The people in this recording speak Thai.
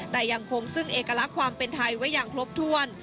แต่ยังคงซึ่งเอกลักษณ์ความเป็นไทยไว้อย่างครบถ้วน